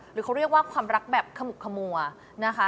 หรือเขาเรียกว่าความรักแบบขมุกขมัวนะคะ